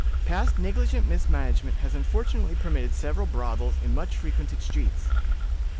"Past negligent mismanagement has unfortunately permitted several brothels in much frequented streets.